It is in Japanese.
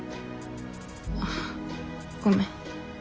あっごめん。